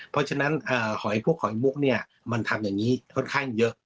เพราะฉะนั้นหอยพวกหอยมุกเนี่ยมันทำอย่างนี้ค่อนข้างเยอะ